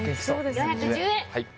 ４１０円